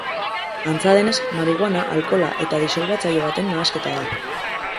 Antza denez, marihuana, alkohola eta disolbatzaile baten nahasketa da.